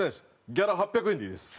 ギャラ８００円でいいです。